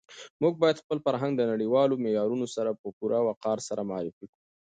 موږ باید خپل فرهنګ د نړیوالو معیارونو سره په پوره وقار سره معرفي کړو.